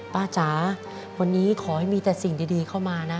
จ๋าวันนี้ขอให้มีแต่สิ่งดีเข้ามานะ